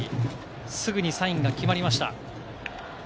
すぐにサインが決まりました。